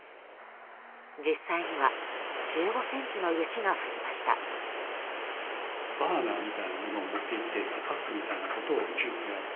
実際には１５ｃｍの雪が降りました。